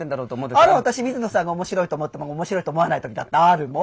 あら私水野さんが面白いと思ったものが面白いと思わない時だってあるもん。